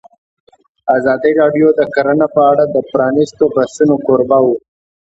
ازادي راډیو د کرهنه په اړه د پرانیستو بحثونو کوربه وه.